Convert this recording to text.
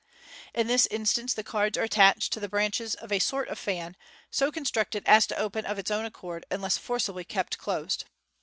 (See Fig. 285.) In this instance, the cards are attached to the branches of a sort of fan, so constructed as to open of its own accord, unless forcibly kept closed.